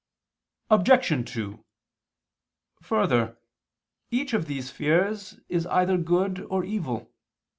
Obj. 2: Further, each of these fears is either good or evil.